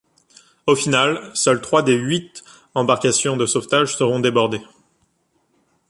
Au final, seul trois des huit embarcations de sauvetages seront débordées.